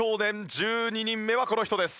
１２人目はこの人です。